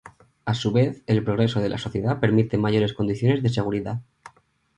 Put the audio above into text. A su vez, el progreso de la sociedad permite mayores condiciones de seguridad.